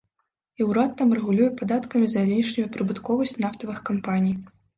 І ўрад там рэгулюе падаткамі залішнюю прыбытковасць нафтавых кампаній.